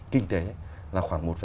kinh tế là khoảng